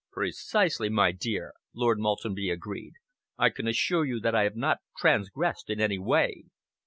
"Precisely, my dear," Lord Maltenby agreed. "I can assure you that I have not transgressed in any way.